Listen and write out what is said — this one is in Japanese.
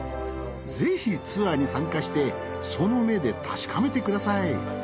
ぜひツアーに参加してその目で確かめてください。